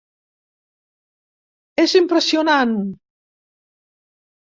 És impressionant!